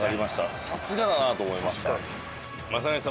さすがだなと思いました。